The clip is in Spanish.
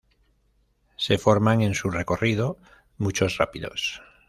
Se forman en su recorrido muchos rápidos.